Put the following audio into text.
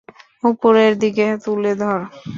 উপরের দিকে তুলে ধর।